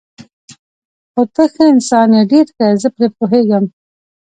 خو ته ښه انسان یې، ډېر ښه، زه پرې پوهېږم.